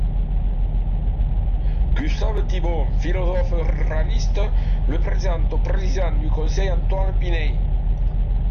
Gustave Thibon, philosophe ruraliste, le présente au président du Conseil Antoine Pinay.